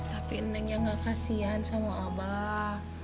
tapi neng yang gak kasihan sama abah